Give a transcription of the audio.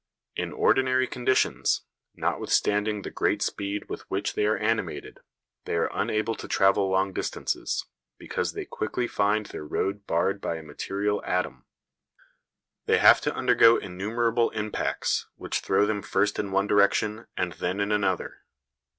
In ordinary conditions, notwithstanding the great speed with which they are animated, they are unable to travel long distances, because they quickly find their road barred by a material atom. They have to undergo innumerable impacts, which throw them first in one direction and then in another.